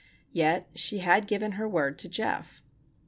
Yet she had given her word to Geof.